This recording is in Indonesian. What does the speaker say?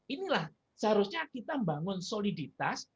inilah seharusnya kita membangun soliditas